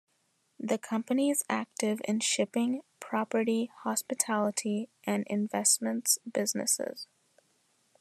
The company is active in shipping, property, hospitality and investments businesses.